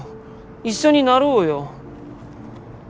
一緒になろうよ！